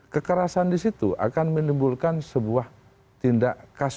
kekerasan di situ akan menimbulkan sebuah tindak kasar